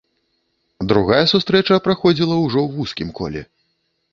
Другая сустрэча праходзіла ўжо ў вузкім коле.